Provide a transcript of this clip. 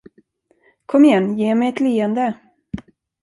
Kom igen, ge mig ett leende.